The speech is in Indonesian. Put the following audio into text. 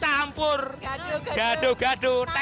can maria dia berrekan tidak terima